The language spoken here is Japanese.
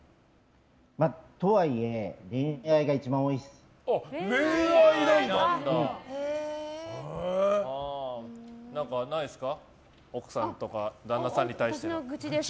とはいえ、恋愛が一番多いです。